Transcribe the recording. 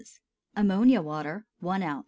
Ammonia water 1 oz.